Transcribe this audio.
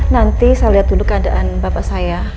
nanti saya lihat dulu keadaan bapak saya